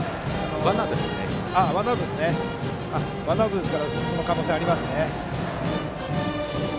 ワンアウトですからその可能性はありますね。